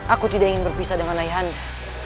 aku tidak ingin berpisah dengan ayah anda